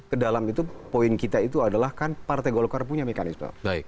ke dalam itu poin kita itu adalah kan partai golkar punya mekanisme